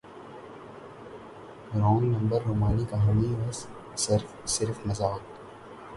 wrong number رومانوی کہانی یا صرف مذاق